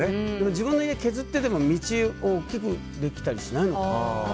自分の家、削ってでも道を大きくできたりしないのかな？